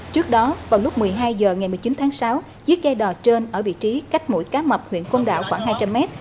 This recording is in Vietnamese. trước đó vào lúc một mươi hai h ngày một mươi chín tháng sáu chiếc cây đò trên ở vị trí cách mũi cá mập huyện côn đảo khoảng hai trăm linh mét